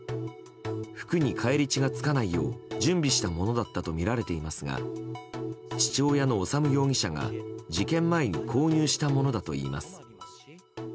服に返り血が付かないよう準備したものだったとみられていますが父親の修容疑者が、事件前に購入したものだといいます。